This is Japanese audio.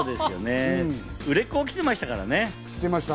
売れっ子が来てましたからね。